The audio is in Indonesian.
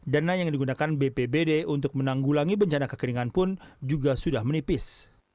dana yang digunakan bpbd untuk menanggulangi bencana kekeringan pun juga sudah menipis